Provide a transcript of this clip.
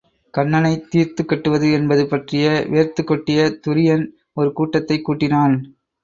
கண்ணனைத் தீர்த்துக் கட்டுவது என்பது பற்றி வேர்த்துக் கொட்டிய துரியன் ஒரு கூட்டத்தைக் கூட்டினான்.